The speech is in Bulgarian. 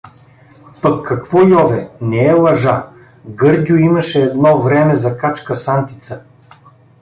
Пък какво, Йове, не е лъжа, Гърдю имаше едно време закачка с Антица.